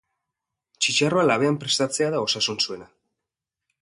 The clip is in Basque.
Txitxarroa labean prestatzea da osasuntsuena.